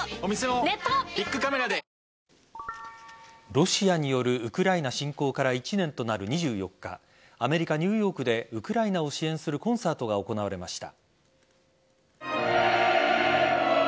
ロシアによるウクライナ侵攻から１年となる２４日アメリカ・ニューヨークでウクライナを支援するコンサートが行われました。